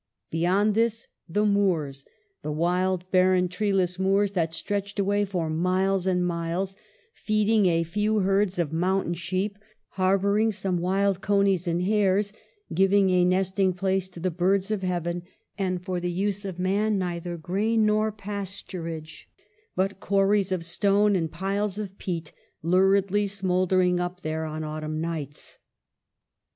Beyond this the moors, the wild, barren, tree less moors, that stretch away for miles and miles, feeding a few herds of mountain sheep, harbor ing some wild conies and hares, giving a nesting place to the birds of heaven, and, for the use of man, neither grain nor pasturage, but quarries of stone and piles of peat luridly smouldering up there on autumn nights.